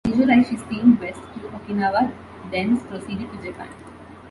In July, she steamed west to Okinawa; thence proceeded to Japan.